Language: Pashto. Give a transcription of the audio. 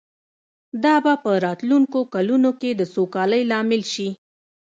دا به په راتلونکو کلونو کې د سوکالۍ لامل شي